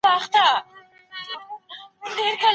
څه وخت خصوصي سکتور ډیزل تیل هیواد ته راوړي؟